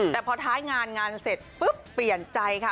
แต่พอท้ายงานงานเสร็จปุ๊บเปลี่ยนใจค่ะ